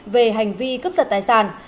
về hành vi cướp sật tài sản